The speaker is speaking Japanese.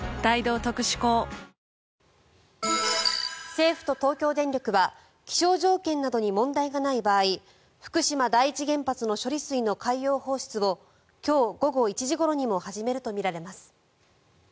政府と東京電力は気象条件などに問題がない場合福島第一原発の処理水の海洋放出を今日午後１時ごろにも始めるとみられます。